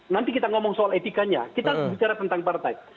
nanti kita ngomong soal etikanya kita harus bicara tentang partai